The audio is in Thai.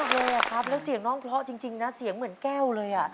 งั้นเช่นมากเลยครับแล้วเสียงน้องเคราะห์จริงนะเสียงเหมือนแก้วเลย